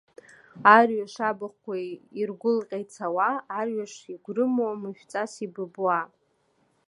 Арҩаш, абахәқәа иргәылҟьа ицауа, арҩаш игәрымуа, мышәҵас ибыбуа.